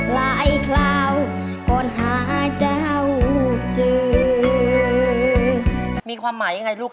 แล้วพ่อกิ๊กเยอะไหมลูก